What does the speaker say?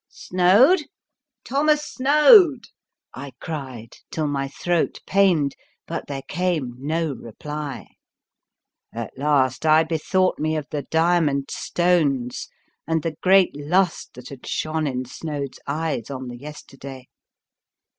Snoad, Thomas Snoad!" I cried till my throat pained, but there came no reply. At last I bethought me of the diamond stones and the great lust that had shone in Snoad* s eyes on the yesterday.